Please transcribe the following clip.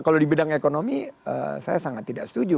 kalau di bidang ekonomi saya sangat tidak setuju